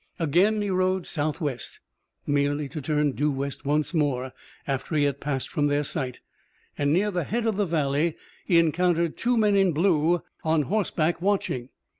Again he rode southwest, merely to turn due west once more, after he had passed from their sight, and near the head of the valley he encountered two men in blue on horseback watching.